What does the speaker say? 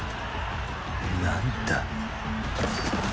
何だ？